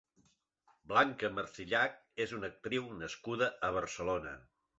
Blanca Marsillach és una actriu nascuda a Barcelona.